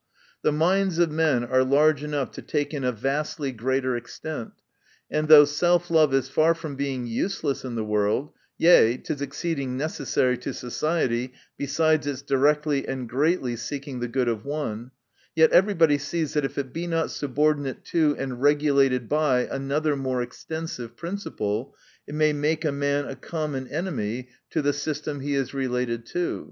The mind* of men are large enough to take in a vastly greater extent ; and though self love is far from being useless in the world, yea, it is exceeding necessary to socie ty, besides its directly and greatly seeking the good of one, yet every body sees that if it be not subordinate to, and regulated by, another more extensive prin ciple, it may make a man a common enemy to the system he is related to.